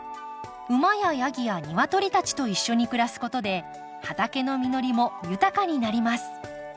馬やヤギやニワトリたちと一緒に暮らすことで畑の実りも豊かになります。